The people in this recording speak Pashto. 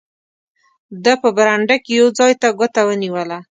ده په برنډه کې یو ځای ته ګوته ونیوله.